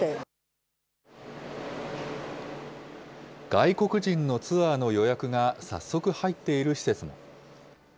外国人のツアーの予約が早速入っている施設も。